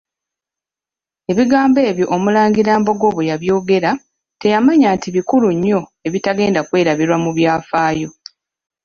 Ebigambo ebyo Omulangira Mbogo bwe yabyogera teyamanya nti bikulu nnyo ebitagenda kwerabirwa mu byafaayo.